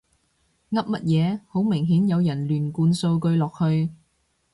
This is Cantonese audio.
噏乜嘢，好明顯有人亂灌數據落去